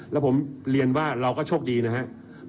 แล้วผมเรียนว่าเราก็โชคดีนะครับ